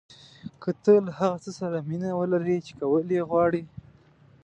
که تۀ له هغه څه سره مینه ولرې چې کول یې غواړې.